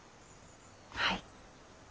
はい。